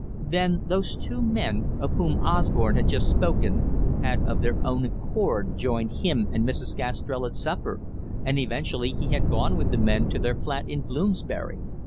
Then those two men, of whom Osborne had just spoken, had of their own accord joined him and "Mrs. Gastrell" at supper, and eventually he had gone with the men to their flat in Bloomsbury.